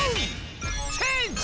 チェンジ！